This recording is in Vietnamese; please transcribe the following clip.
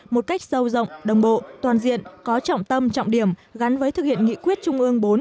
một cách sâu rộng đồng bộ toàn diện có trọng tâm trọng điểm gắn với thực hiện nghị quyết trung ương bốn